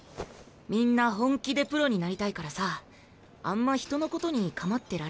みんな本気でプロになりたいからさあんま人のことに構ってられないっていうか。